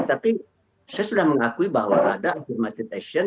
tapi saya sudah mengakui bahwa ada afirmated action